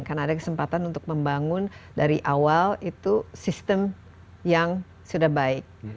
karena ada kesempatan untuk membangun dari awal itu sistem yang sudah baik